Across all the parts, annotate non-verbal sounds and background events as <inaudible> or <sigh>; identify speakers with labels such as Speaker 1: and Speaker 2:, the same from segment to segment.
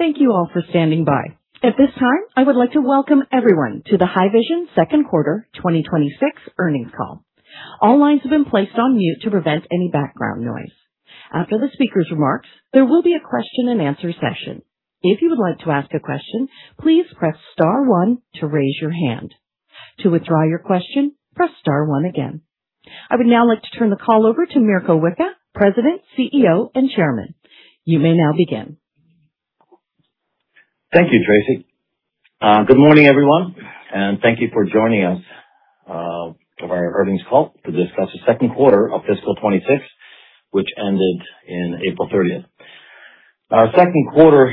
Speaker 1: Thank you all for standing by. At this time, I would like to welcome everyone to the Haivision second quarter 2026 earnings call. All lines have been placed on mute to prevent any background noise. After the speaker's remarks, there will be a question and answer session. If you would like to ask a question, please press star one to raise your hand. To withdraw your question, press star one again. I would now like to turn the call over to Mirko Wicha, President, CEO, and Chairman. You may now begin.
Speaker 2: Thank you, Tracy. Good morning, everyone, and thank you for joining us for our earnings call to discuss the second quarter of fiscal 2026, which ended in April 30th. Our second quarter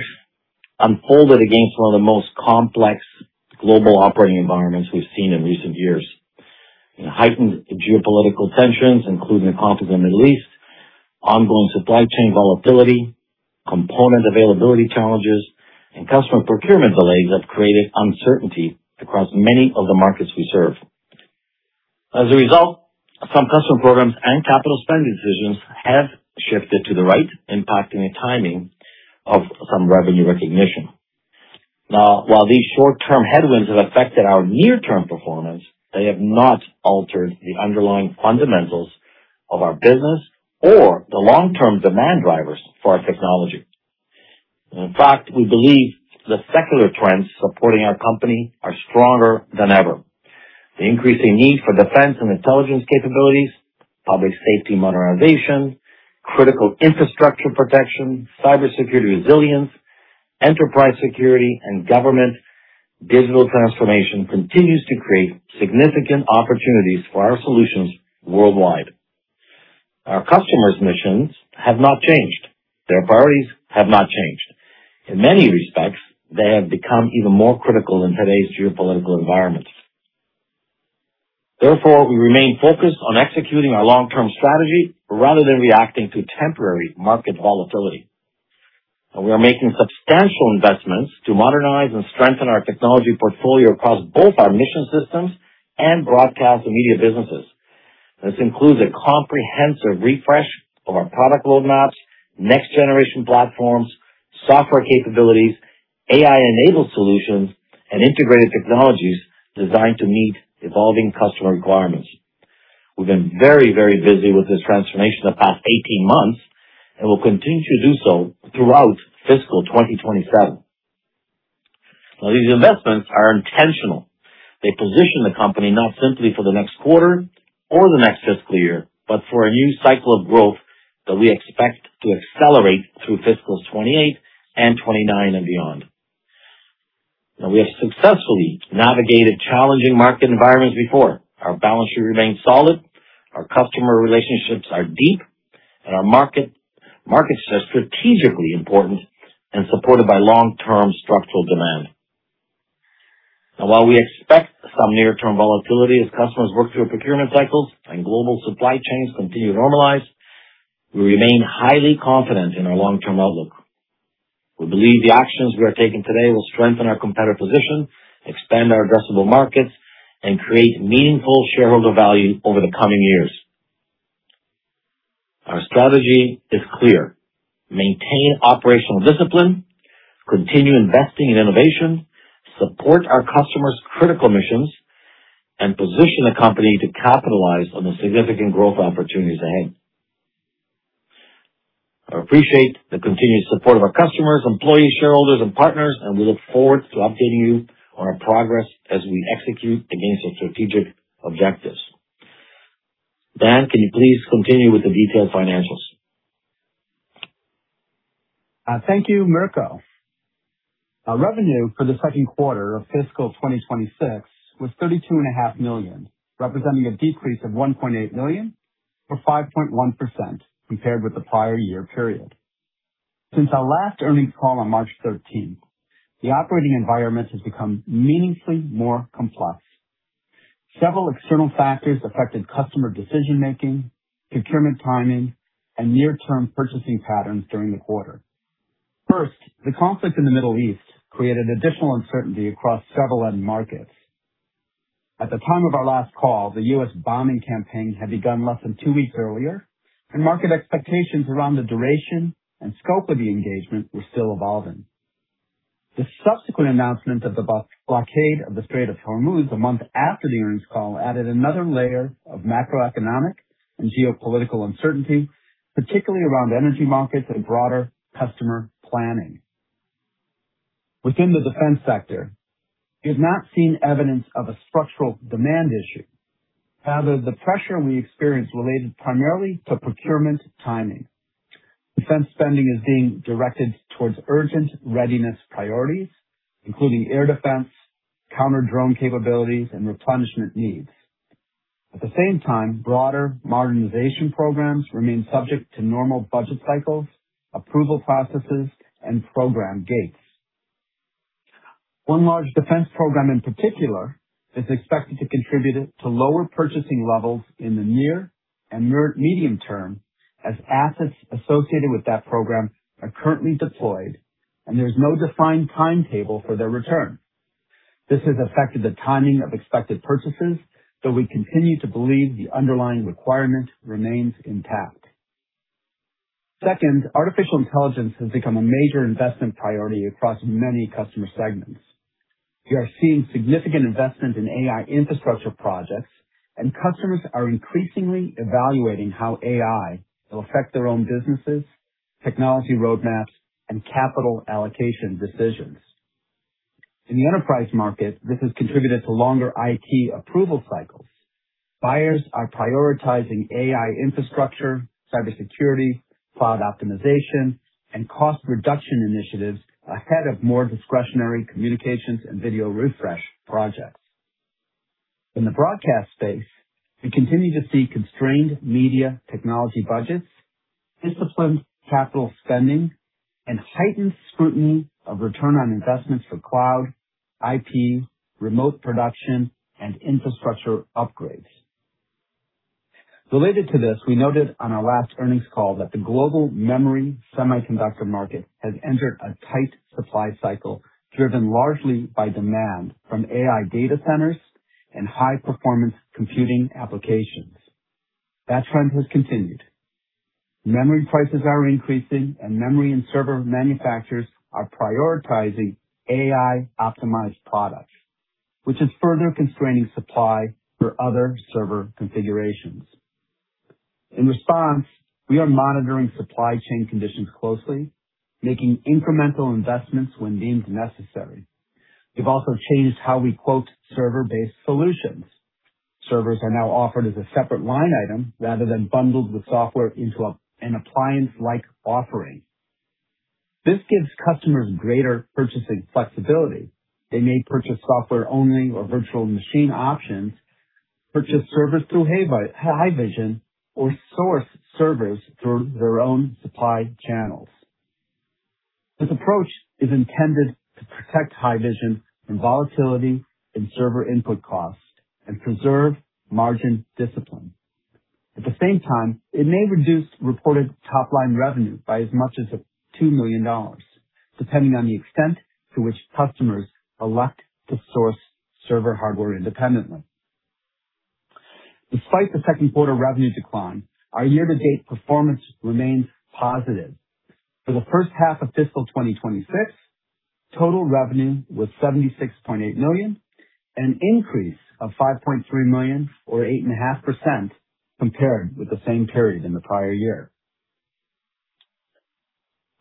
Speaker 2: unfolded against one of the most complex global operating environments we've seen in recent years. Heightened geopolitical tensions, including the conflict in the Middle East, ongoing supply chain volatility, component availability challenges, and customer procurement delays have created uncertainty across many of the markets we serve. As a result, some customer programs and capital spending decisions have shifted to the right, impacting the timing of some revenue recognition. Now, while these short-term headwinds have affected our near-term performance, they have not altered the underlying fundamentals of our business or the long-term demand drivers for our technology. In fact, we believe the secular trends supporting our company are stronger than ever. The increasing need for defense and intelligence capabilities, public safety modernization, critical infrastructure protection, cybersecurity resilience, enterprise security, and government digital transformation continues to create significant opportunities for our solutions worldwide. Our customers' missions have not changed. Their priorities have not changed. In many respects, they have become even more critical in today's geopolitical environments. Therefore, we remain focused on executing our long-term strategy rather than reacting to temporary market volatility. We are making substantial investments to modernize and strengthen our technology portfolio across both our mission systems and broadcast and media businesses. This includes a comprehensive refresh of our product roadmaps, next generation platforms, software capabilities, AI-enabled solutions, and integrated technologies designed to meet evolving customer requirements. We've been very, very busy with this transformation the past 18 months, and we'll continue to do so throughout fiscal 2027. Now, these investments are intentional. They position the company not simply for the next quarter or the next fiscal year, but for a new cycle of growth that we expect to accelerate through fiscals 2028 and 2029 and beyond. Now, we have successfully navigated challenging market environments before. Our balance sheet remains solid, our customer relationships are deep, and our markets are strategically important and supported by long-term structural demand. Now, while we expect some near-term volatility as customers work through procurement cycles and global supply chains continue to normalize, we remain highly confident in our long-term outlook. We believe the actions we are taking today will strengthen our competitive position, expand our addressable markets, and create meaningful shareholder value over the coming years. Our strategy is clear: maintain operational discipline, continue investing in innovation, support our customers' critical missions, and position the company to capitalize on the significant growth opportunities ahead. I appreciate the continued support of our customers, employees, shareholders and partners, and we look forward to updating you on our progress as we execute against our strategic objectives. Dan, can you please continue with the detailed financials?
Speaker 3: Thank you, Mirko. Revenue for the second quarter of fiscal 2026 was 32.5 million, representing a decrease of 1.8 million or 5.1% compared with the prior year period. Since our last earnings call on March 13, the operating environment has become meaningfully more complex. Several external factors affected customer decision-making, procurement timing, and near-term purchasing patterns during the quarter. First, the conflict in the Middle East created additional uncertainty across several end markets. At the time of our last call, the U.S. bombing campaign had begun less than two weeks earlier, and market expectations around the duration and scope of the engagement were still evolving. The subsequent announcement of the blockade of the Strait of Hormuz a month after the earnings call added another layer of macroeconomic and geopolitical uncertainty, particularly around energy markets and broader customer planning. Within the defense sector, we have not seen evidence of a structural demand issue. Rather, the pressure we experienced related primarily to procurement timing. Defense spending is being directed towards urgent readiness priorities, including air defense, counter-drone capabilities, and replenishment needs. At the same time, broader modernization programs remain subject to normal budget cycles, approval processes, and program gates. One large defense program in particular is expected to contribute to lower purchasing levels in the near- and medium-term as assets associated with that program are currently deployed and there's no defined timetable for their return. This has affected the timing of expected purchases, though we continue to believe the underlying requirement remains intact. Second, artificial intelligence has become a major investment priority across many customer segments. We are seeing significant investment in AI infrastructure projects, and customers are increasingly evaluating how AI will affect their own businesses, technology roadmaps, and capital allocation decisions. In the enterprise market, this has contributed to longer IT approval cycles. Buyers are prioritizing AI infrastructure, cybersecurity, cloud optimization, and cost reduction initiatives ahead of more discretionary communications and video refresh projects. In the broadcast space, we continue to see constrained media technology budgets, disciplined capital spending, and heightened scrutiny of return on investment for cloud, IP, remote production, and infrastructure upgrades. Related to this, we noted on our last earnings call that the global memory semiconductor market has entered a tight supply cycle, driven largely by demand from AI data centers and high-performance computing applications. That trend has continued. Memory prices are increasing, and memory and server manufacturers are prioritizing AI-optimized products, which is further constraining supply for other server configurations. In response, we are monitoring supply chain conditions closely, making incremental investments when deemed necessary. We've also changed how we quote server-based solutions. Servers are now offered as a separate line item rather than bundled with software into an appliance-like offering. This gives customers greater purchasing flexibility. They may purchase software only or virtual machine options, purchase servers through Haivision, or source servers through their own supply channels. This approach is intended to protect Haivision from volatility in server input costs and preserve margin discipline. At the same time, it may reduce reported top-line revenue by as much as 2 million dollars, depending on the extent to which customers elect to source server hardware independently. Despite the second quarter revenue decline, our year-to-date performance remains positive. For the first half of fiscal 2026, total revenue was 76.8 million, an increase of 5.3 million or 8.5% compared with the same period in the prior year.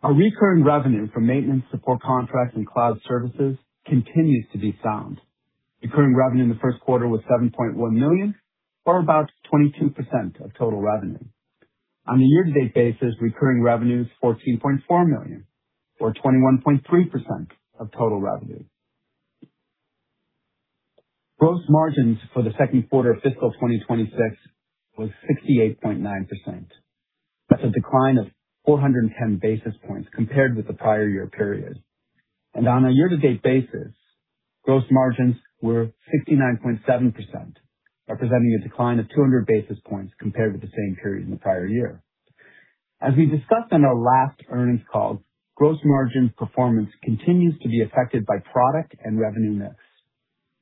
Speaker 3: Our recurring revenue from maintenance support contracts and cloud services continues to be sound. Recurring revenue in the first quarter was 7.1 million or about 22% of total revenue. On a year-to-date basis, recurring revenue is 14.4 million or 21.3% of total revenue. Gross margins for the second quarter of fiscal 2026 was 68.9%. That's a decline of 410 basis points compared with the prior year period. On a year-to-date basis, gross margins were 69.7%, representing a decline of 200 basis points compared with the same period in the prior year. As we discussed on our last earnings call, gross margin performance continues to be affected by product and revenue mix.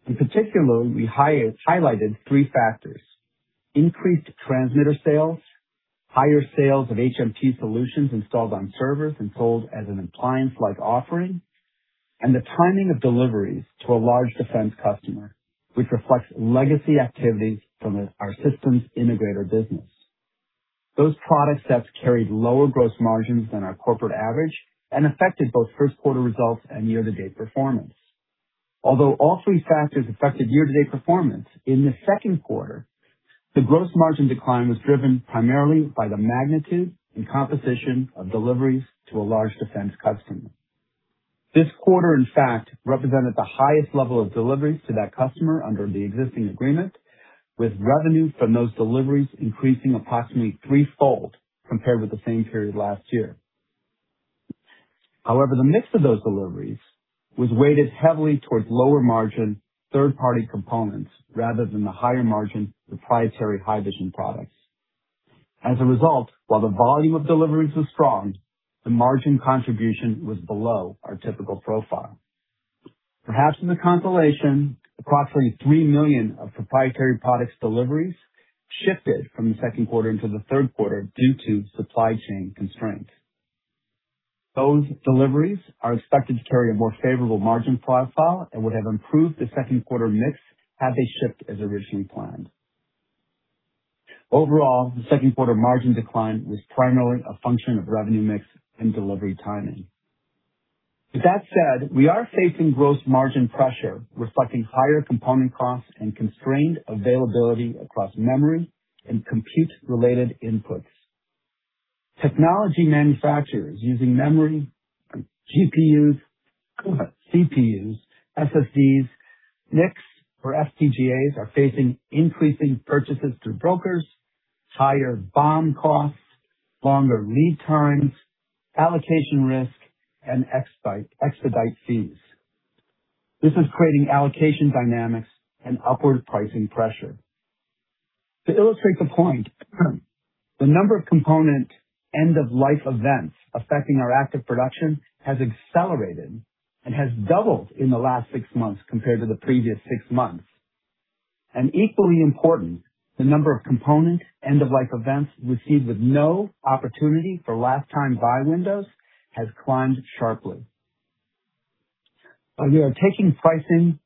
Speaker 3: In particular, we highlighted three factors: increased transmitter sales, higher sales of HMT solutions installed on servers and sold as an appliance-like offering, and the timing of deliveries to a large defense customer, which reflects legacy activities from our systems integrator business. Those product sets carried lower gross margins than our corporate average and affected both first quarter results and year-to-date performance. Although all three factors affected year-to-date performance, in the second quarter, the gross margin decline was driven primarily by the magnitude and composition of deliveries to a large defense customer. This quarter, in fact, represented the highest level of deliveries to that customer under the existing agreement, with revenue from those deliveries increasing approximately threefold compared with the same period last year. However, the mix of those deliveries was weighted heavily towards lower-margin third-party components rather than the higher-margin proprietary Haivision products. As a result, while the volume of deliveries was strong, the margin contribution was below our typical profile. Perhaps in the consolation, approximately 3 million of proprietary products deliveries shifted from the second quarter into the third quarter due to supply chain constraints. Those deliveries are expected to carry a more favorable margin profile and would have improved the second quarter mix had they shipped as originally planned. Overall, the second quarter margin decline was primarily a function of revenue mix and delivery timing. With that said, we are facing gross margin pressure reflecting higher component costs and constrained availability across memory and compute-related inputs. Technology manufacturers using memory, GPUs, CPUs, SSDs, NICs, or FPGAs are facing increasing purchases through brokers, higher bond costs, longer lead times, allocation risk, and expedite fees. This is creating allocation dynamics and upward pricing pressure. To illustrate the point, the number of component end-of-life events affecting our active production has accelerated and has doubled in the last six months compared to the previous six months. Equally important, the number of component end-of-life events received with no opportunity for last-time buy windows has climbed sharply. While we are taking pricing,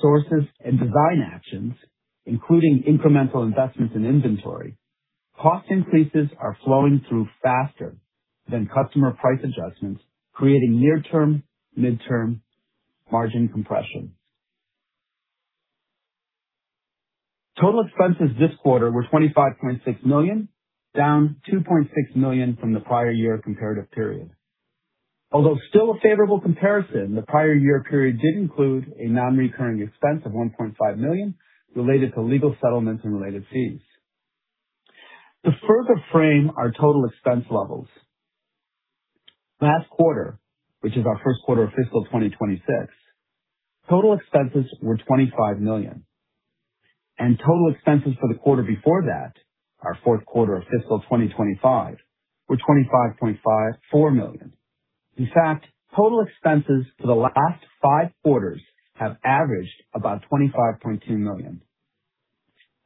Speaker 3: sources, and design actions, including incremental investments in inventory, cost increases are flowing through faster than customer price adjustments, creating near-term, midterm margin compression. Total expenses this quarter were 25.6 million, down 2.6 million from the prior year comparative period. Although still a favorable comparison, the prior year period did include a non-recurring expense of 1.5 million related to legal settlements and related fees. To further frame our total expense levels, last quarter, which is our first quarter of fiscal 2026, total expenses were 25 million, total expenses for the quarter before that, our fourth quarter of fiscal 2025, were 25.54 million. In fact, total expenses for the last five quarters have averaged about 25.2 million.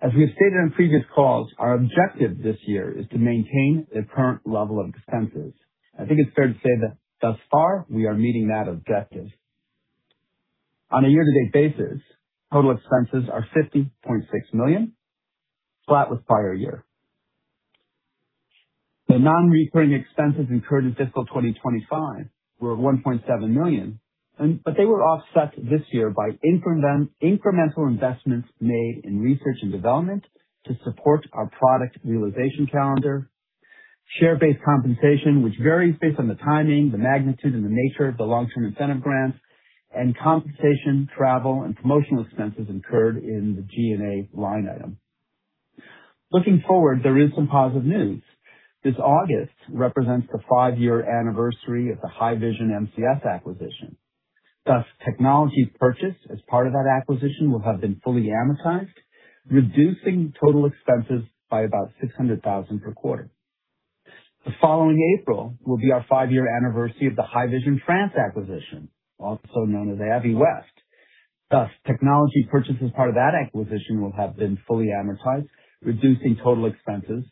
Speaker 3: As we have stated on previous calls, our objective this year is to maintain the current level of expenses. I think it's fair to say that thus far, we are meeting that objective. On a year-to-date basis, total expenses are 50.6 million, flat with prior year. The non-recurring expenses incurred in fiscal 2025 were 1.7 million, they were offset this year by incremental investments made in research and development to support our product realization calendar, share-based compensation, which varies based on the timing, the magnitude, and the nature of the long-term incentive grants, and compensation, travel, and promotional expenses incurred in the G&A line item. Looking forward, there is some positive news. This August represents the five-year anniversary of the Haivision MCS acquisition. Thus, technology purchased as part of that acquisition will have been fully amortized, reducing total expenses by about 600,000 per quarter. The following April will be our five-year anniversary of the Haivision France acquisition, also known as Aviwest. Thus, technology purchased as part of that acquisition will have been fully amortized, reducing total expenses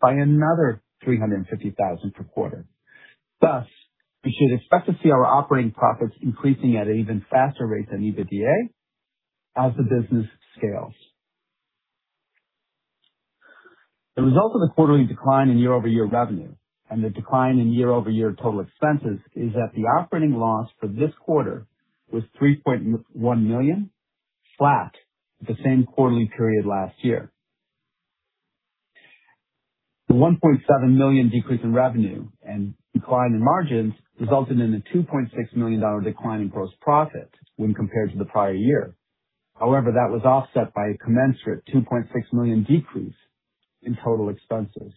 Speaker 3: by another 350,000 per quarter. Thus, we should expect to see our operating profits increasing at an even faster rate than EBITDA as the business scales. The result of the quarterly decline in year-over-year revenue and the decline in year-over-year total expenses is that the operating loss for this quarter was 3.1 million, flat with the same quarterly period last year. The 1.7 million decrease in revenue and decline in margins resulted in a 2.6 million dollar decline in gross profit when compared to the prior year. That was offset by a commensurate 2.6 million decrease in total expenses.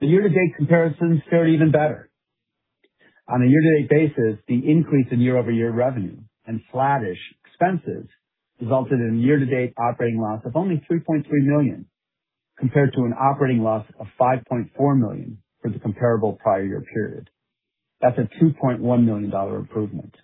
Speaker 3: The year-to-date comparison fared even better. On a year-to-date basis, the increase in year-over-year revenue and flattish expenses resulted in a year-to-date operating loss of only 3.3 million, compared to an operating loss of 5.4 million for the comparable prior year period. That's a 2.1 million dollar improvement.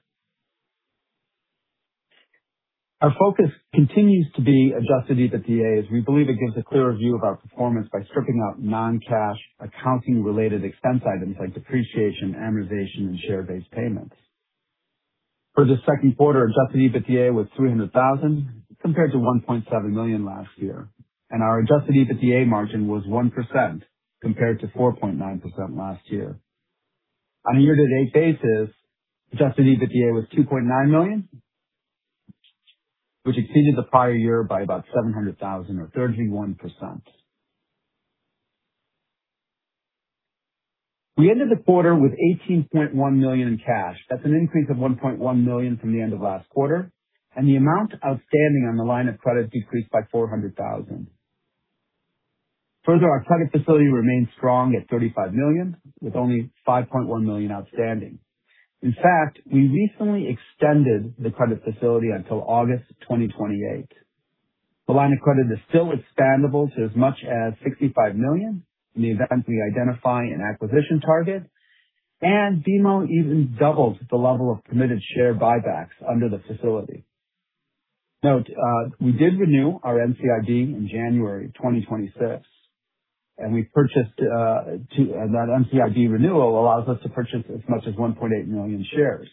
Speaker 3: Our focus continues to be adjusted EBITDA, as we believe it gives a clearer view of our performance by stripping out non-cash accounting-related expense items like depreciation, amortization, and share-based payments. For the second quarter, adjusted EBITDA was 300,000, compared to 1.7 million last year, and our adjusted EBITDA margin was 1%, compared to 4.9% last year. On a year-to-date basis, adjusted EBITDA was 2.9 million, which exceeded the prior year by about 700,000 or 31%. We ended the quarter with 18.1 million in cash. That is an increase of 1.1 million from the end of last quarter, and the amount outstanding on the line of credit decreased by 400,000. Further, our credit facility remains strong at 35 million, with only 5.1 million outstanding. In fact, we recently extended the credit facility until August 2028. The line of credit is still expandable to as much as 65 million in the event we identify an acquisition target, and even doubles the level of permitted share buybacks under the facility. Note, we did renew our NCIB in January 2026, and that NCIB renewal allows us to purchase as much as 1.8 million shares.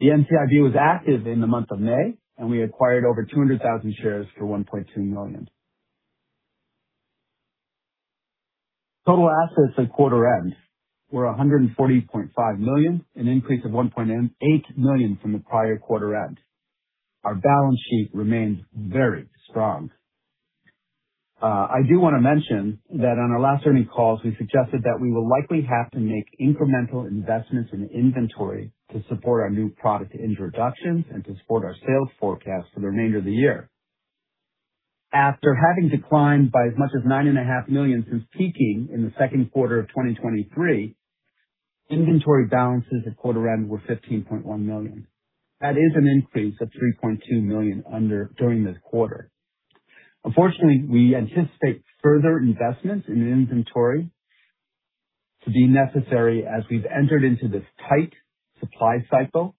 Speaker 3: The NCIB was active in the month of May, and we acquired over 200,000 shares for 1.2 million. Total assets at quarter-end were 140.5 million, an increase of 1.8 million from the prior quarter-end. Our balance sheet remains very strong. I do want to mention that on our last earnings calls, we suggested that we will likely have to make incremental investments in inventory to support our new product introductions and to support our sales forecast for the remainder of the year. After having declined by as much as 9.5 million since peaking in the second quarter of 2023, inventory balances at quarter-end were 15.1 million. That is an increase of 3.2 million during this quarter. Unfortunately, we anticipate further investments in inventory to be necessary as we have entered into this tight supply cycle,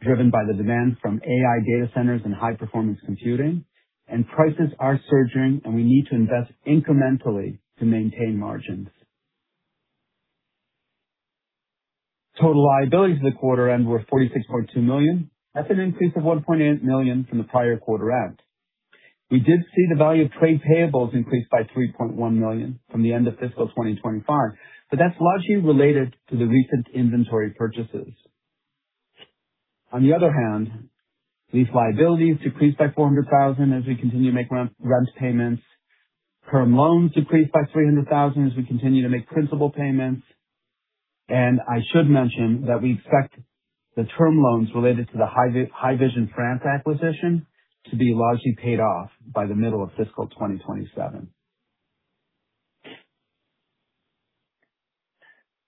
Speaker 3: driven by the demand from AI data centers and high-performance computing, and prices are surging, and we need to invest incrementally to maintain margins. Total liabilities at quarter end were 46.2 million. That is an increase of 1.8 million from the prior quarter-end. We did see the value of trade payables increase by 3.1 million from the end of fiscal 2025, but that is largely related to the recent inventory purchases. On the other hand, lease liabilities decreased by 400,000 as we continue to make rent payments. Term loans decreased by 300,000 as we continue to make principal payments. And I should mention that we expect the term loans related to the Haivision France acquisition to be largely paid off by the middle of fiscal 2027.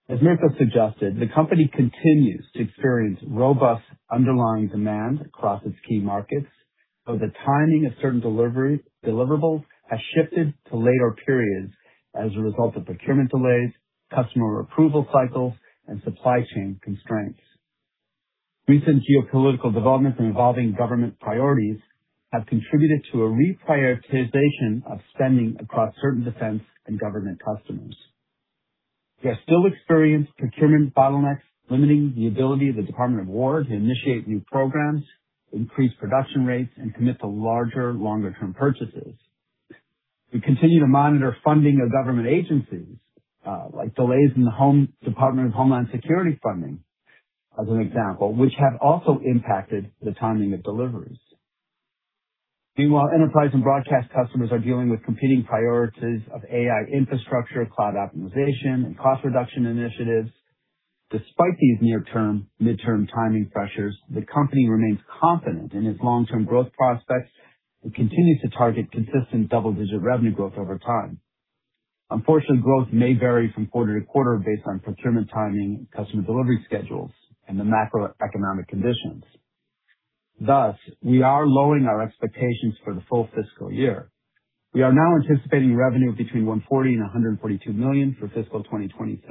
Speaker 3: As Mirko suggested, the company continues to experience robust underlying demand across its key markets, though the timing of certain deliverables has shifted to later periods as a result of procurement delays, customer approval cycles, and supply chain constraints. Recent geopolitical developments involving government priorities have contributed to a reprioritization of spending across certain defense and government customers. We have still experienced procurement bottlenecks limiting the ability of the Department of War to initiate new programs, increase production rates, and commit to larger, longer-term purchases. We continue to monitor funding of government agencies, like delays in the U.S. Department of Homeland Security funding, as an example, which have also impacted the timing of deliveries. Meanwhile, enterprise and broadcast customers are dealing with competing priorities of AI infrastructure, cloud optimization, and cost reduction initiatives. Despite these near-term, mid-term timing pressures, the company remains confident in its long-term growth prospects and continues to target consistent double-digit revenue growth over time. Unfortunately, growth may vary from quarter-to-quarter based on procurement timing, customer delivery schedules, and the macroeconomic conditions. Thus, we are lowering our expectations for the full fiscal year. We are now anticipating revenue of between 140 million and 142 million for fiscal 2026,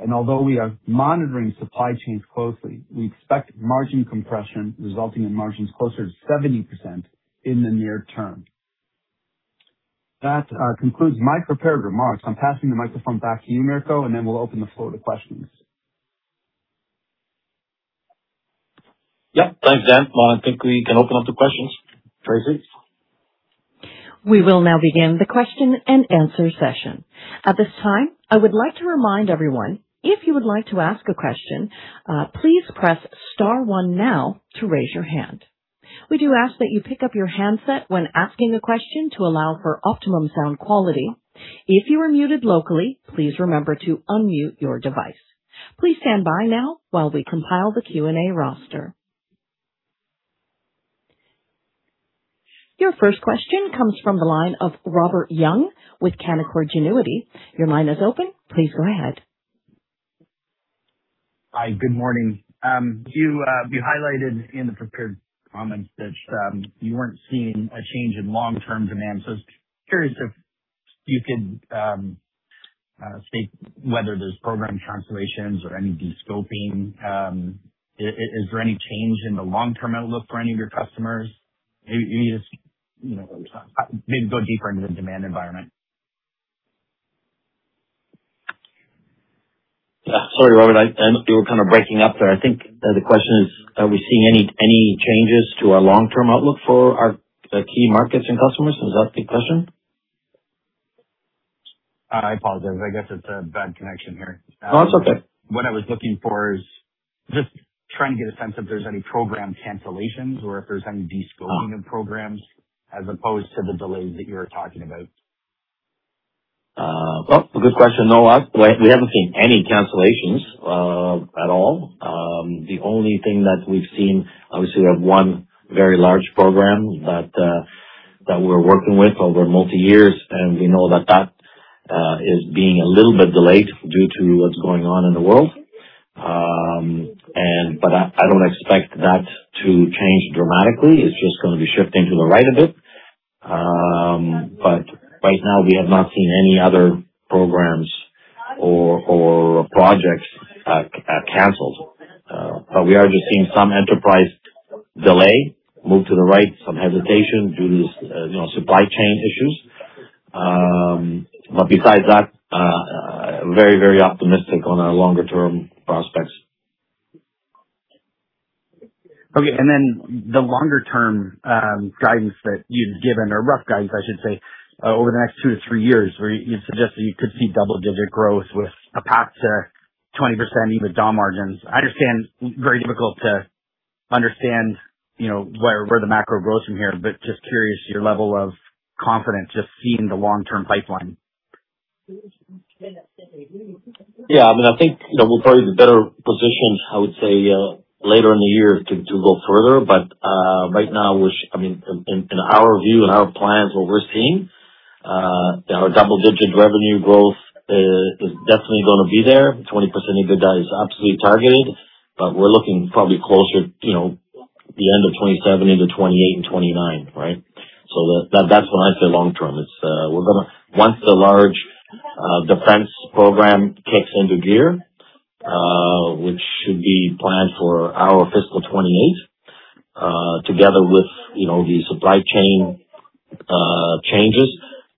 Speaker 3: and although we are monitoring supply chains closely, we expect margin compression resulting in margins closer to 70% in the near term. That concludes my prepared remarks. I am passing the microphone back to you, Mirko. Then we will open the floor to questions.
Speaker 2: Thanks, Dan. I think we can open up to questions. Tracy?
Speaker 1: We will now begin the question-and-answer session. At this time, I would like to remind everyone, if you would like to ask a question, please press star one now to raise your hand. We do ask that you pick up your handset when asking a question to allow for optimum sound quality. If you are muted locally, please remember to unmute your device. Please stand by now while we compile the Q&A roster. Your first question comes from the line of Robert Young with Canaccord Genuity. Your line is open. Please go ahead.
Speaker 4: Hi. Good morning. You highlighted in the prepared comments that you weren't seeing a change in long-term demand. I was curious if you could state whether there's program cancellations or any de-scoping. Is there any change in the long-term outlook for any of your customers? Maybe just go deeper into the demand environment.
Speaker 2: Sorry, Robert, you were kind of breaking up there. I think the question is, are we seeing any changes to our long-term outlook for our key markets and customers? Is that the question?
Speaker 4: I apologize. I guess it's a bad connection here.
Speaker 2: No, it's okay.
Speaker 4: What I was looking for is just trying to get a sense if there's any program cancellations or if there's any de-scoping of programs as opposed to the delays that you were talking about.
Speaker 2: Well, good question. No, we haven't seen any cancellations at all. The only thing that we've seen, obviously, we have one very large program that we're working with over multi-years, and we know that that is being a little bit delayed due to what's going on in the world. I don't expect that to change dramatically. It's just going to be shifting to the right a bit. Right now, we have not seen any other programs or projects canceled. We are just seeing some enterprise delay, move to the right, some hesitation due to supply chain issues. Besides that, very optimistic on our longer term prospects.
Speaker 4: Okay. The longer-term guidance that you've given, or rough guidance, I should say, over the next two to three years, where you suggest that you could see double-digit growth with up to 20% EBITDA margins. I understand very difficult to understand where the macro grows from here, just curious, your level of confidence just seeing the long-term pipeline.
Speaker 2: Yeah. I think that we're probably in a better position, I would say, later in the year to go further. Right now, in our view, in our plans, what we're seeing. Our double-digit revenue growth is definitely going to be there. 20% EBITDA is absolutely targeted, we're looking probably closer to the end of 2027 into 2028 and 2029, right? That's when I say long-term. Once the large defense program kicks into gear, which should be planned for our fiscal 2028, together with the supply chain changes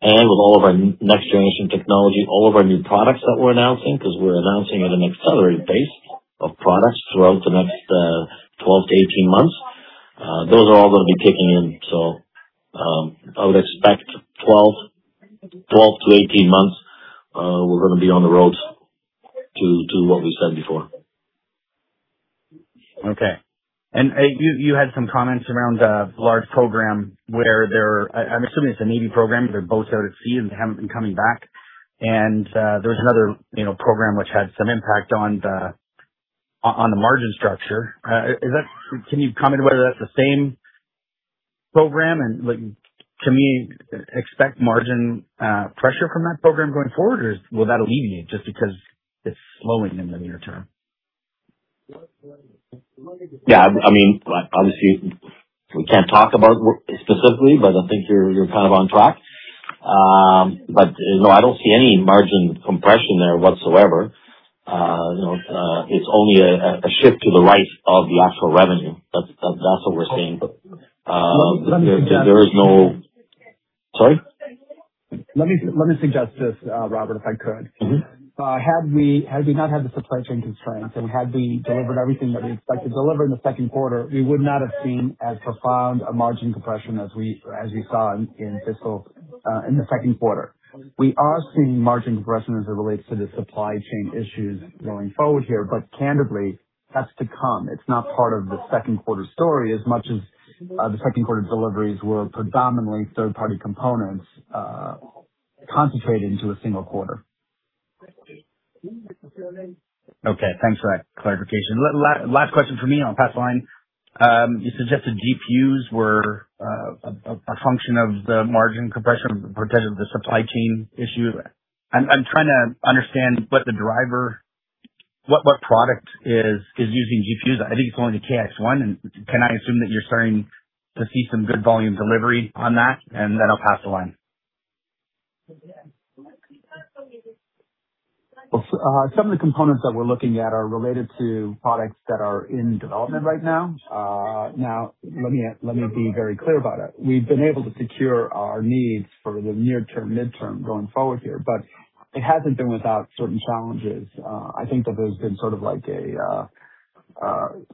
Speaker 2: and with all of our next generation technology, all of our new products that we're announcing, because we're announcing at an accelerated pace of products throughout the next 12-18 months, those are all going to be kicking in. I would expect 12-18 months, we're going to be on the road to what we said before.
Speaker 4: You had some comments around a large program where there I'm assuming it's a Navy program, because they're both out at sea, and they haven't been coming back. There was another program which had some impact on the margin structure. Can you comment whether that's the same program? Can we expect margin pressure from that program going forward, or will that alleviate just because it's slowing in the near term?
Speaker 2: Obviously, we can't talk about it specifically, but I think you're kind of on track. No, I don't see any margin compression there whatsoever. It's only a shift to the right of the actual revenue. That's what we're seeing. Sorry?
Speaker 3: Let me suggest this, Robert, if I could. Had we not had the supply chain constraints, had we delivered everything that we expected to deliver in the second quarter, we would not have seen as profound a margin compression as we saw in the second quarter. We are seeing margin compression as it relates to the supply chain issues going forward here, but candidly, that's to come. It's not part of the second quarter story as much as the second quarter deliveries were predominantly third-party components concentrated into a single quarter.
Speaker 4: Okay. Thanks for that clarification. Last question from me, I'll pass the line. You suggested GPUs were a function of the margin compression because of the supply chain issue. I'm trying to understand what the driver, what product is using GPUs. I think it's only the KX1, can I assume that you're starting to see some good volume delivery on that? Then I'll pass the line.
Speaker 3: Some of the components that we're looking at are related to products that are in development right now. Let me be very clear about it. We've been able to secure our needs for the near term, mid-term going forward here, it hasn't been without certain challenges. I think that there's been sort of a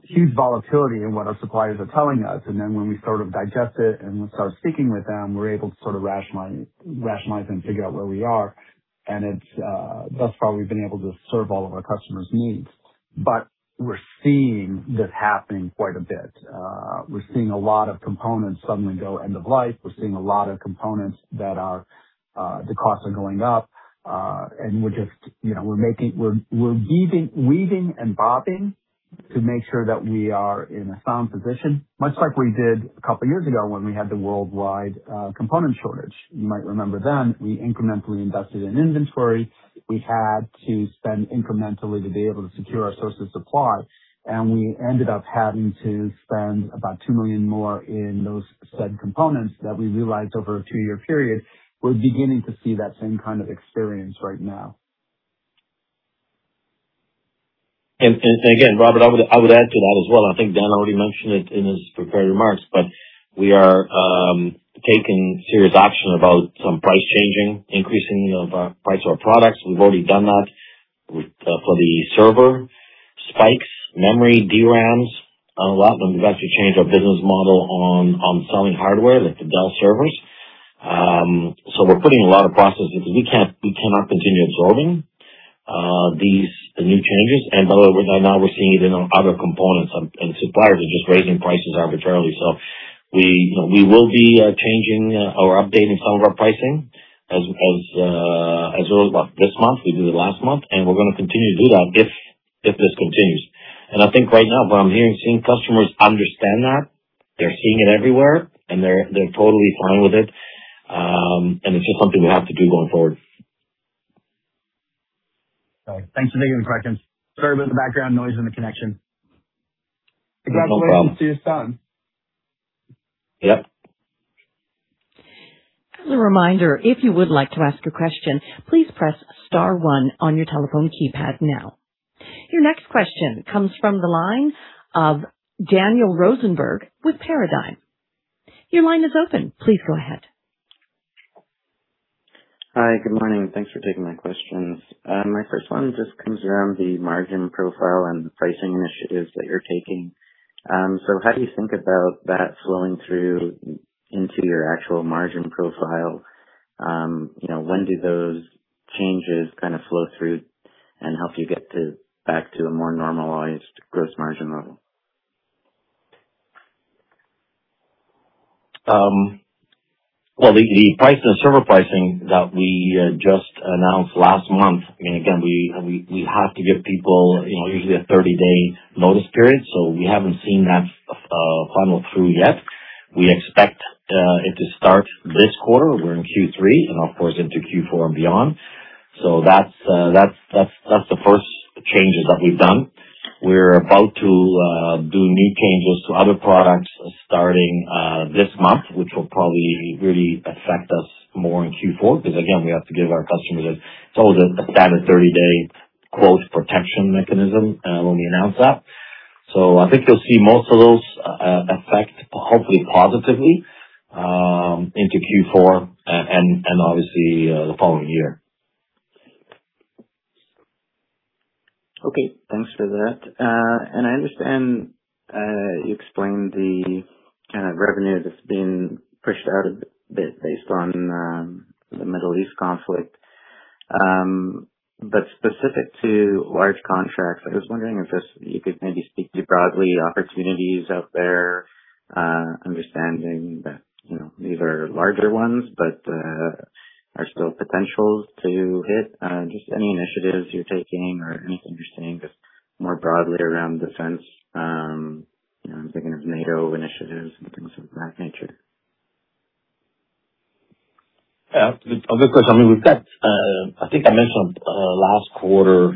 Speaker 3: huge volatility in what our suppliers are telling us, then when we sort of digest it and we start speaking with them, we're able to sort of rationalize and figure out where we are. Thus far, we've been able to serve all of our customers' needs. We're seeing this happening quite a bit. We're seeing a lot of components suddenly go end of life. We're seeing a lot of components that the costs are going up. We're weaving and bobbing to make sure that we are in a sound position, much like we did a couple of years ago when we had the worldwide component shortage. You might remember then, we incrementally invested in inventory. We had to spend incrementally to be able to secure our source of supply, and we ended up having to spend about 2 million more in those said components that we realized over a two-year period. We're beginning to see that same kind of experience right now.
Speaker 2: Robert, I would add to that as well. I think Dan already mentioned it in his prepared remarks, we are taking serious action about some price changing, increasing of our price of our products. We've already done that for the server, spikes, memory, DRAMs, a lot. We've actually changed our business model on selling hardware, like the Dell servers. We're putting a lot of processes. We cannot continue absorbing these new changes. By the way, now we're seeing it in other components, and suppliers are just raising prices arbitrarily. We will be changing or updating some of our pricing as early as, what, this month. We did it last month, and we're going to continue to do that if this continues. I think right now, from hearing and seeing customers understand that they're seeing it everywhere, and they're totally fine with it. It's just something we have to do going forward.
Speaker 4: All right. Thanks for taking the questions. Sorry about the background noise on the connection.
Speaker 3: <crosstalk> No problem.
Speaker 4: Yep.
Speaker 1: As a reminder, if you would like to ask a question, please press star one on your telephone keypad now. Your next question comes from the line of Daniel Rosenberg with Paradigm. Your line is open. Please go ahead.
Speaker 5: Hi. Good morning. Thanks for taking my questions. My first one just comes around the margin profile and the pricing initiatives that you're taking. How do you think about that flowing through into your actual margin profile? When do those changes kind of flow through and help you get back to a more normalized gross margin level?
Speaker 2: Well, the price and server pricing that we just announced last month, and again, we have to give people usually a 30-day notice period, we haven't seen that final through yet. We expect it to start this quarter. We're in Q3 and of course into Q4 and beyond. That's the first changes that we've done. We're about to do new changes to other products starting this month, which will probably really affect us more in Q4 because again, we have to give our customers always a standard 30-day quote protection mechanism when we announce that. I think you'll see most of those affect hopefully positively into Q4 and obviously the following year.
Speaker 5: Okay, thanks for that. I understand you explained the kind of revenue that's been pushed out a bit based on the Middle East conflict, specific to large contracts, I was wondering if just you could maybe speak to broadly opportunities out there, understanding that these are larger ones, but are still potentials to hit. Just any initiatives you're taking or anything you're seeing just more broadly around defense. I'm thinking of NATO initiatives and things of that nature.
Speaker 2: Yeah. Of course. I think I mentioned last quarter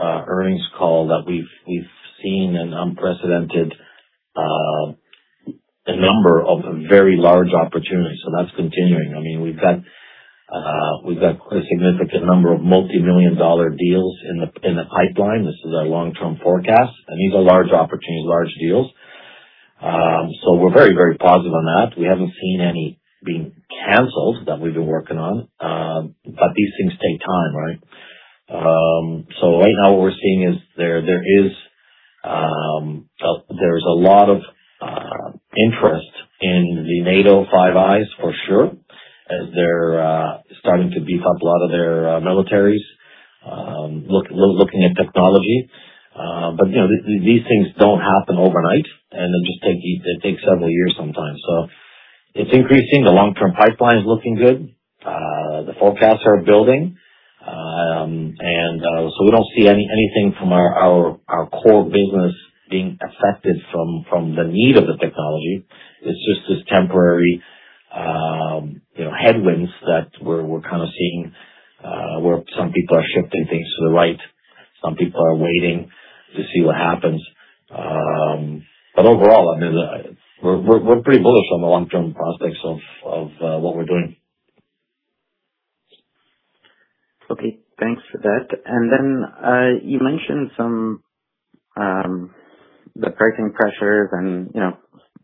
Speaker 2: earnings call that we've seen an unprecedented number of very large opportunities, so that's continuing. We've got a significant number of multimillion-dollar deals in the pipeline. This is our long-term forecast, and these are large opportunities, large deals. We're very positive on that. We haven't seen any being canceled that we've been working on. These things take time, right? Right now what we're seeing is there's a lot of interest in the NATO, Five Eyes for sure, as they're starting to beef up a lot of their militaries, looking at technology. These things don't happen overnight, and they take several years sometimes. It's increasing. The long-term pipeline's looking good. The forecasts are building. We don't see anything from our core business being affected from the need of the technology. It's just this temporary headwinds that we're kind of seeing, where some people are shifting things to the right. Some people are waiting to see what happens. Overall, we're pretty bullish on the long-term prospects of what we're doing.
Speaker 5: Okay. Thanks for that. You mentioned some the pricing pressures and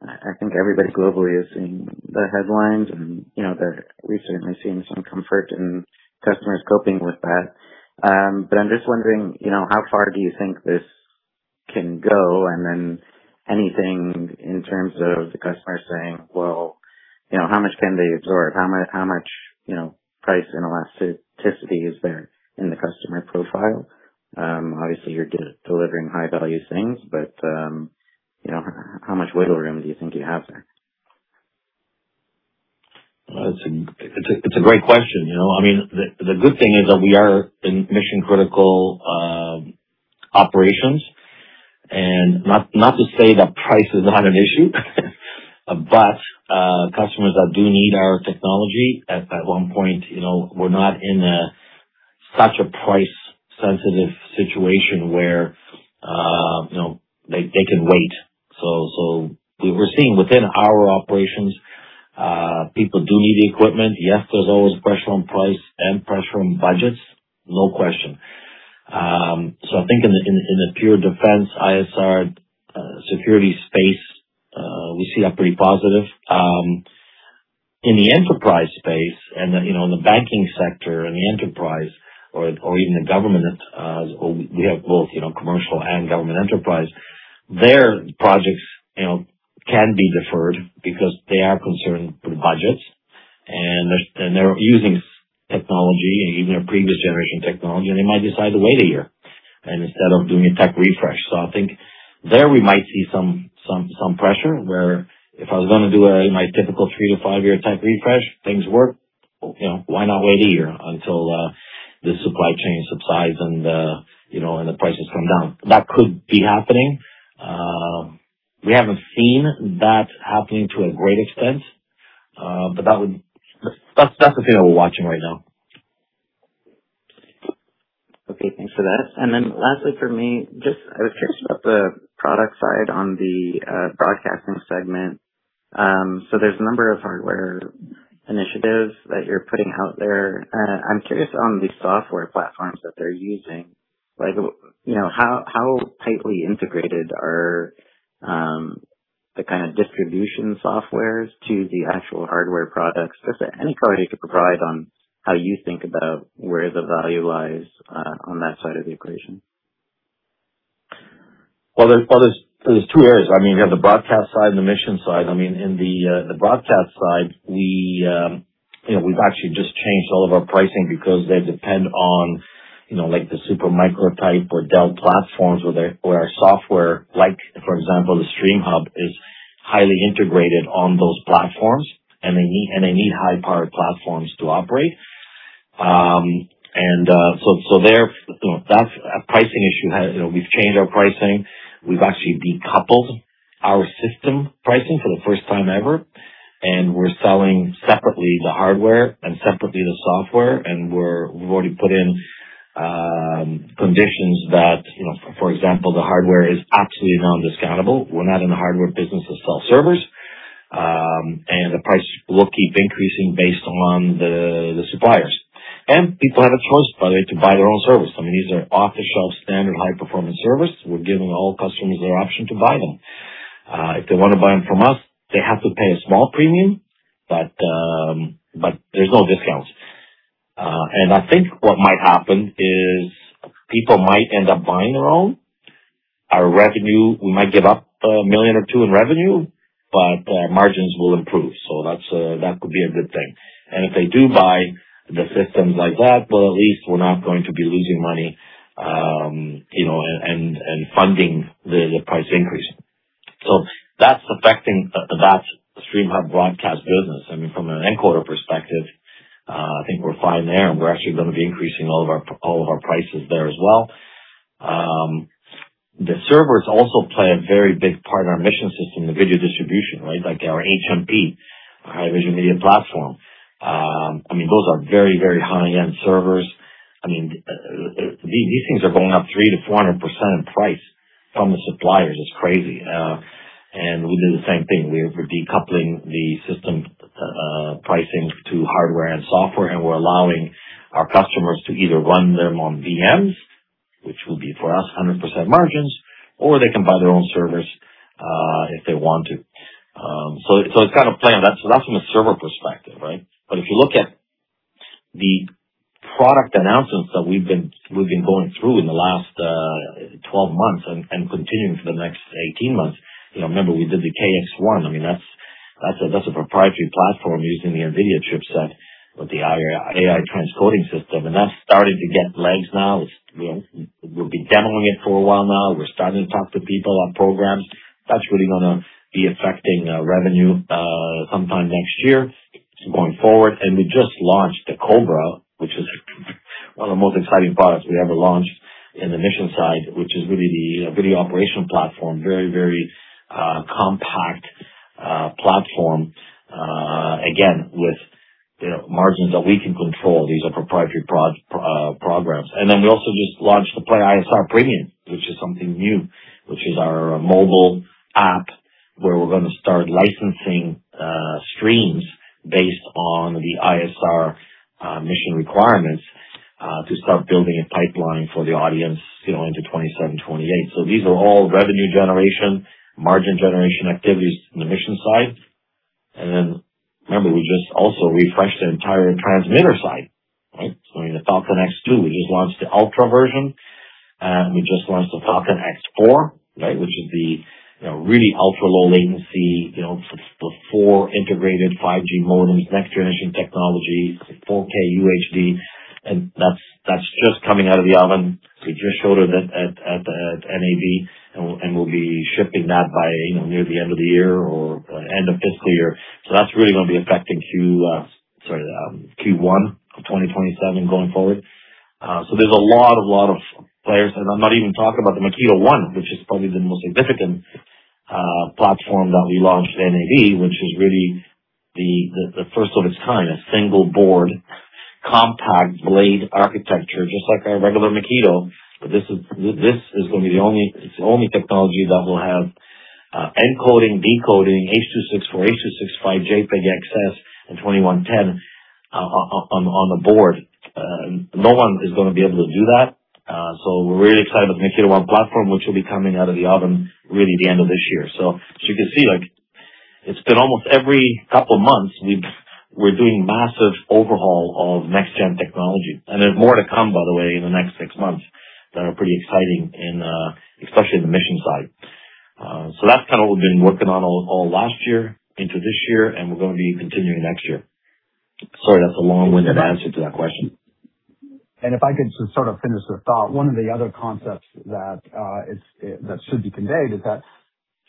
Speaker 5: I think everybody globally is seeing the headlines and that we've certainly seen some comfort in customers coping with that. I'm just wondering, how far do you think this can go? Anything in terms of the customer saying, well, how much can they absorb? How much price inelasticity is there in the customer profile? Obviously you're delivering high-value things, but how much wiggle room do you think you have there?
Speaker 2: It's a great question. The good thing is that we are in mission-critical operations. Not to say that price is not an issue, but customers that do need our technology at one point, we're not in such a price-sensitive situation where they can wait. We're seeing within our operations, people do need the equipment. Yes, there's always pressure on price and pressure on budgets, no question. I think in the pure defense ISR security space, we see that pretty positive. In the enterprise space and in the banking sector and the enterprise or even the government, we have both commercial and government enterprise. Their projects can be deferred because they are concerned with budgets and they're using technology and even a previous generation technology, and they might decide to wait a year instead of doing a tech refresh. I think there we might see some pressure where if I was going to do my typical three- to five-year tech refresh, things work, why not wait a year until this supply chain subsides and the prices come down? That could be happening. We haven't seen that happening to a great extent. That's the thing that we're watching right now.
Speaker 5: Okay. Thanks for that. Lastly for me, just I was curious about the product side on the broadcasting segment. There's a number of hardware initiatives that you're putting out there. I'm curious on the software platforms that they're using, like how tightly integrated are the kind of distribution softwares to the actual hardware products? Just any color you could provide on how you think about where the value lies on that side of the equation.
Speaker 2: Well, there's two areas. We have the broadcast side and the mission side. In the broadcast side, we've actually just changed all of our pricing because they depend on the Super Micro type or Dell platforms where our software, like for example, the StreamHub, is highly integrated on those platforms, and they need high-powered platforms to operate. That's a pricing issue. We've changed our pricing. We've actually decoupled our system pricing for the first time ever, and we're selling separately the hardware and separately the software, and we've already put in conditions that, for example, the hardware is absolutely non-discountable. We're not in the hardware business to sell servers. The price will keep increasing based on the suppliers. People have a choice to buy their own servers. These are off-the-shelf, standard, high-performance servers. We're giving all customers the option to buy them. If they want to buy them from us, they have to pay a small premium, there's no discounts. I think what might happen is people might end up buying their own. Our revenue, we might give up a million or two in revenue, but our margins will improve. That could be a good thing. If they do buy the systems like that, well, at least we're not going to be losing money and funding the price increase. That's affecting that StreamHub broadcast business. From an encoder perspective, I think we're fine there, and we're actually going to be increasing all of our prices there as well. The servers also play a very big part in our mission system, the video distribution. Like our HMP, our Haivision Media Platform. Those are very high-end servers. These things are going up 300%-400% in price from the suppliers. It's crazy. We do the same thing. We're decoupling the system pricing to hardware and software, we're allowing our customers to either run them on VMs, which will be for us 100% margins, or they can buy their own servers if they want to. It's a plan. That's from a server perspective. If you look at the product announcements that we've been going through in the last 12 months and continuing for the next 18 months. Remember, we did the KX1. That's a proprietary platform using the NVIDIA chipset with the AI transcoding system, that's starting to get legs now. We've been demoing it for a while now. We're starting to talk to people on programs. That's really going to be affecting revenue sometime next year going forward. We just launched the Kobra, which is one of the most exciting products we ever launched in the mission side, which is really the video operation platform. Very compact platform, again, with margins that we can control. These are proprietary programs. Then we also just launched the Play ISR Premium, which is something new, which is our mobile app where we're going to start licensing streams based on the ISR mission requirements, to start building a pipeline for the audience into 2027-2028. These are all revenue generation, margin generation activities in the mission side. Then remember, we just also refreshed the entire transmitter side. The Falkon X2, we just launched the Ultra version, we just launched the Falkon X4, which is the really ultra-low latency, the four integrated 5G modems, next-generation technology, 4K UHD. That's just coming out of the oven. We just showed it at NAB, we'll be shipping that by near the end of the year or end of fiscal year. That's really going to be affecting Q1 of 2027 going forward. There's a lot of players, I'm not even talking about the Makito ONE, which is probably the most significant platform that we launched at NAB, which is really the first of its kind. A single board, compact blade architecture, just like our regular Makito. This is going to be the only technology that will have encoding, decoding, H264, H265, JPEG XS, and 2110 on the board. No one is going to be able to do that. We're really excited with the Makito ONE platform, which will be coming out of the oven really the end of this year. As you can see, it's been almost every couple of months, we're doing massive overhaul of next-gen technology. There's more to come, by the way, in the next six months that are pretty exciting, especially in the mission side. That's what we've been working on all last year into this year, we're going to be continuing next year. Sorry, that's a long-winded answer to that question.
Speaker 3: If I could sort of finish the thought. One of the other concepts that should be conveyed is that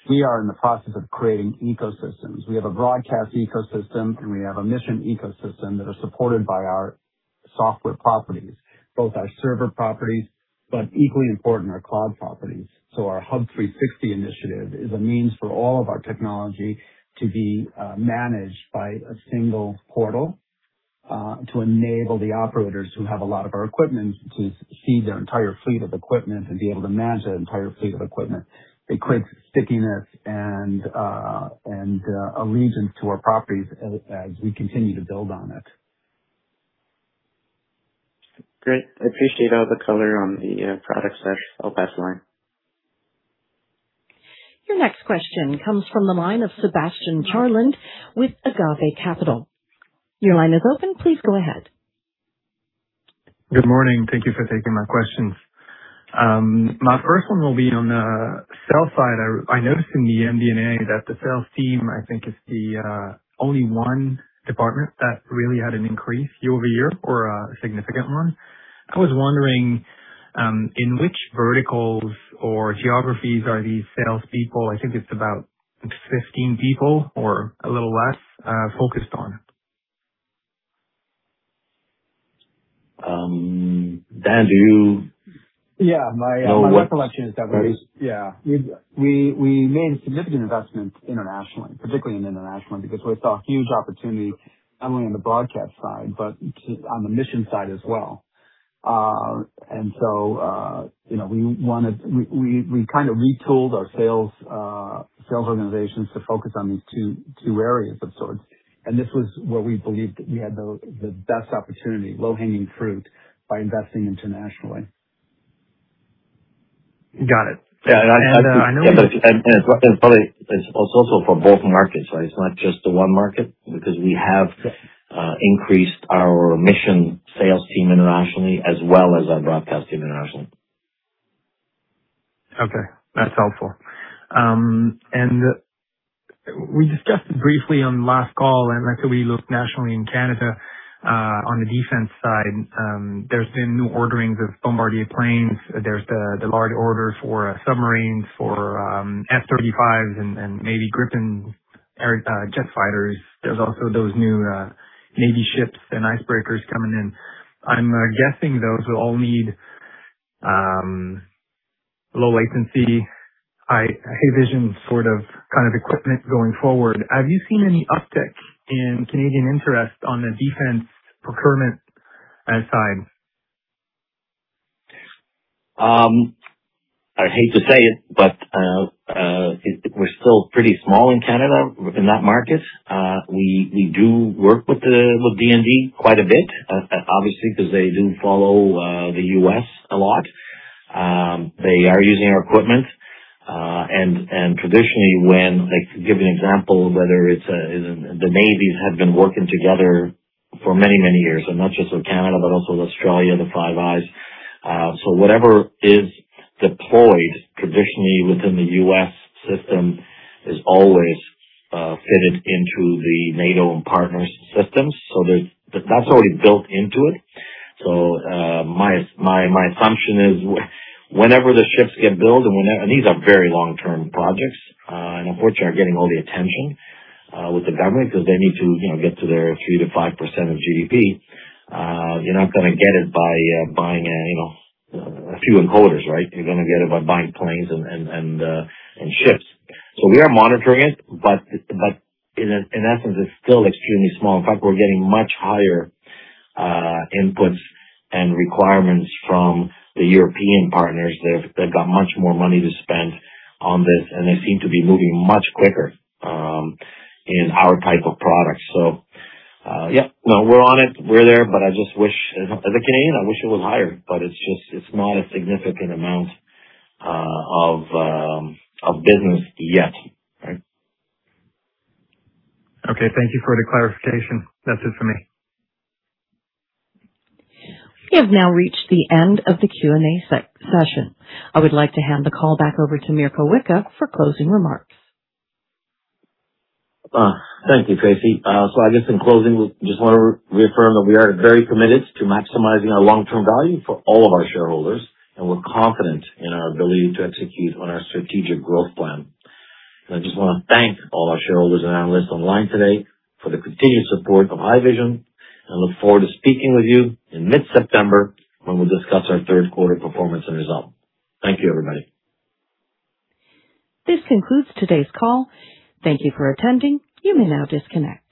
Speaker 3: we are in the process of creating ecosystems. We have a broadcast ecosystem, and we have a mission ecosystem that are supported by our software properties, both our server properties, but equally important, our cloud properties. Our Hub 360 initiative is a means for all of our technology to be managed by a single portal, to enable the operators who have a lot of our equipment to see their entire fleet of equipment and be able to manage that entire fleet of equipment. It creates stickiness and allegiance to our properties as we continue to build on it.
Speaker 5: Great. I appreciate all the color on the product set outline.
Speaker 1: Your next question comes from the line of Sébastien Charland with Agave Capital. Your line is open. Please go ahead.
Speaker 6: Good morning. Thank you for taking my questions. My first one will be on the sales side. I noticed in the MD&A that the sales team, I think, is the only one department that really had an increase year-over-year or a significant one. I was wondering, in which verticals or geographies are these salespeople, I think it is about 15 people or a little less, focused on?
Speaker 2: Dan, do you know what-
Speaker 3: Yeah. My recollection is that we made significant investments internationally, particularly in international, because we saw a huge opportunity not only on the broadcast side, but on the mission side as well. We retooled our sales organizations to focus on these two areas of sorts. This was where we believed that we had the best opportunity, low-hanging fruit, by investing internationally.
Speaker 6: Got it.
Speaker 2: Yeah. It's also for both markets, right? It's not just the one market because we have increased our mission sales team internationally as well as our broadcast team internationally.
Speaker 6: Okay, that's helpful. We discussed it briefly on the last call, and as we look nationally in Canada, on the defense side, there's been new orderings of Bombardier planes. There's the large order for submarines for F-35s and Navy Gripen jet fighters. There's also those new Navy ships and icebreakers coming in. I'm guessing those will all need low-latency, Haivision kind of equipment going forward. Have you seen any uptick in Canadian interest on the defense procurement side?
Speaker 2: I'd hate to say it, we're still pretty small in Canada, in that market. We do work with DND quite a bit, obviously, because they do follow the U.S. a lot. They are using our equipment. Traditionally, to give you an example, the Navies have been working together for many, many years, and not just with Canada, but also with Australia, the Five Eyes. Whatever is deployed traditionally within the U.S. system is always fitted into the NATO and partners' systems. That's already built into it. My assumption is whenever the ships get built, and these are very long-term projects, and unfortunately aren't getting all the attention with the government because they need to get to their 3%-5% of GDP. You're not going to get it by buying a few encoders, right? You're going to get it by buying planes and ships. We are monitoring it, in essence, it's still extremely small. In fact, we're getting much higher inputs and requirements from the European partners. They've got much more money to spend on this, and they seem to be moving much quicker in our type of product. Yeah. No, we're on it. We're there, as a Canadian, I wish it was higher, it's not a significant amount of business yet.
Speaker 6: Okay. Thank you for the clarification. That's it for me.
Speaker 1: We have now reached the end of the Q&A session. I would like to hand the call back over to Mirko Wicha for closing remarks.
Speaker 2: Thank you, Tracy. I guess in closing, we just want to reaffirm that we are very committed to maximizing our long-term value for all of our shareholders, and we're confident in our ability to execute on our strategic growth plan. I just want to thank all our shareholders and analysts online today for the continued support of Haivision and look forward to speaking with you in mid-September when we'll discuss our third quarter performance and results. Thank you, everybody.
Speaker 1: This concludes today's call. Thank you for attending. You may now disconnect.